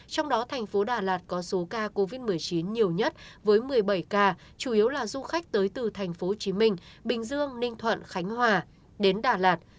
trong đó thành phố đà lạt có số ca covid một mươi chín nhiều nhất với một mươi bảy ca chủ yếu là du khách tới từ thành phố hồ chí minh bình dương ninh thuận khánh hòa đến đà lạt